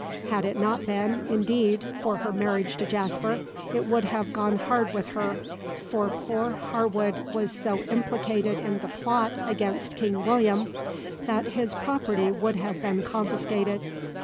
Had it not been, indeed, for her marriage to Jasper, it would have gone hard with her, for poor Harwood was so implicated in the plot against King William, that his property would have been confiscated.